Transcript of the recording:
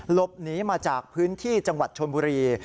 หลบหนีมาจากพื้นที่จังหวัดชนบุรี